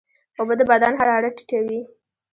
اوبه د بدن حرارت ټیټوي.